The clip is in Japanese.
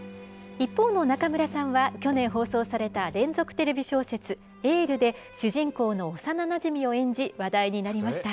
一方の中村さんは、去年放送された連続テレビ小説、エールで、主人公の幼なじみを演じ、話題になりました。